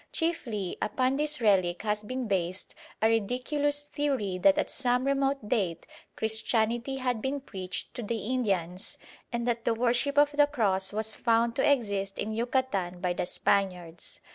Chiefly upon this relic has been based a ridiculous theory that at some remote date Christianity had been preached to the Indians and that the worship of the Cross was found to exist in Yucatan by the Spaniards.